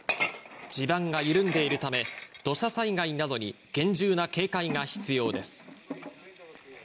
地盤が緩んでいるため、土砂災害などに厳重な警戒が必要です。